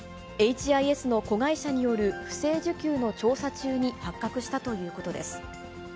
ＨＩＳの子会社による不正受給の調査中に発覚したということです。